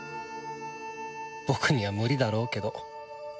僕には無理だろうけど